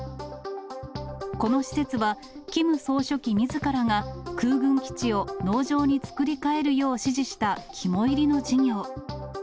この施設は、キム総書記みずからが空軍基地を農場に作り替えるよう指示した肝煎りの事業。